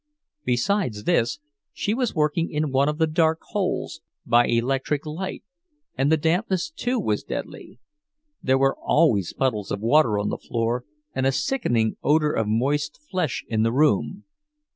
Besides this, she was working in one of the dark holes, by electric light, and the dampness, too, was deadly—there were always puddles of water on the floor, and a sickening odor of moist flesh in the room.